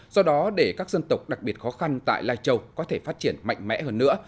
do đó để các dân tộc đặc biệt khó khăn tại lai châu có thể phát triển mạnh mẽ hơn nữa